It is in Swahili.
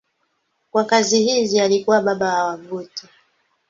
Kwa kazi hizi alikuwa baba wa wavuti.